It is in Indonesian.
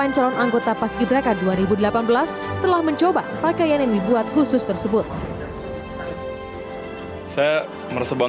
calon anggota paski braka dua ribu delapan belas telah mencoba pakaian yang dibuat khusus tersebut saya mereset